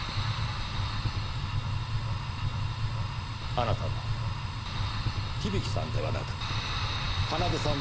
あなたは響さんではなく奏さんですね？